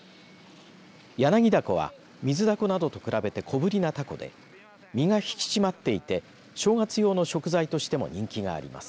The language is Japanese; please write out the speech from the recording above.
ヤナギダコはミズダコなどと比べて小ぶりなタコで身が引き締まっていて正月用の食材としても人気があります。